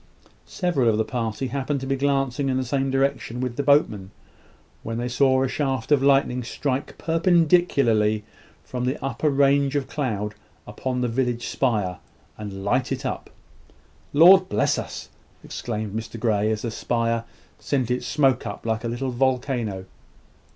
Several of the party happened to be glancing in the same direction with the boatmen, when they saw a shaft of lightning strike perpendicularly from the upper range of cloud upon the village spire, and light it up. "Lord bless us!" exclaimed Mr Grey, as the spire sent its smoke up like a little volcano.